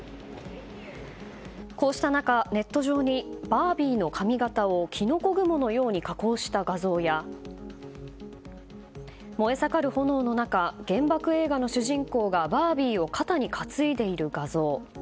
こうした中、ネット上にバービーの髪形をキノコ雲のように加工した画像や燃え盛る炎の中原爆映画の主人公がバービーを肩に担いでいる画像。